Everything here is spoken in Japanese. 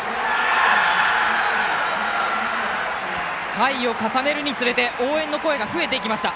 回を重ねるにつれて応援の声が増えていきました。